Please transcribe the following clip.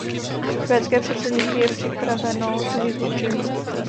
Švédské předsednictví je připraveno tu výzvu přijmout.